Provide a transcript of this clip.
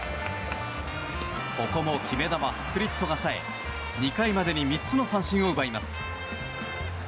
ここも決め球スプリットが冴え２回までに３つの三振を奪います。